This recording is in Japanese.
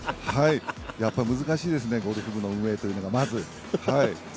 やっぱり難しいですね、ゴルフ部の運営というのがまず。